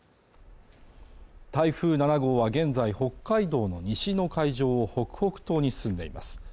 台風７号は現在、北海道の西の海上を北北東に進んでいます